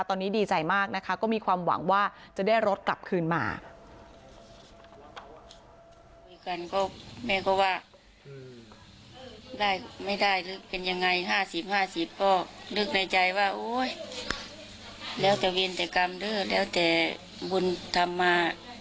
ตอนนี้ดีใจมากนะคะก็มีความหวังว่าจะได้รถกลับคืนมา